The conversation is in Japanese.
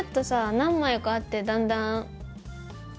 何枚かあってだんだん。